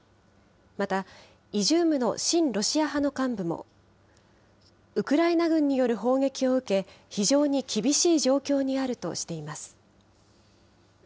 またイジュームの親ロシア派の幹部も、ウクライナ軍による砲撃を受け、非常に厳しい状況にあるとしています。